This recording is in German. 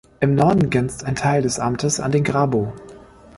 Im Norden grenzt ein Teil des Amtes an den Grabow.